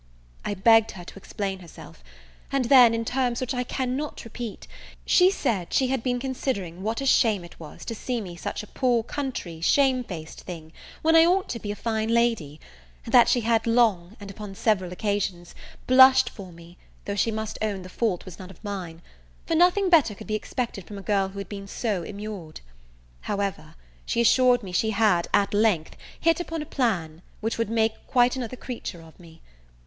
I begged her to explain herself; and then, in terms which I cannot repeat, she said she had been considering what a shame it was to see me such a poor country, shame faced thing, when I ought to be a fine lady; and that she had long, and upon several occasions, blushed for me, though she must own the fault was none of mine; for nothing better could be expected from a girl who had been so immured. However, she assured me she had, at length, hit upon a plan, which would make quite another creature of me.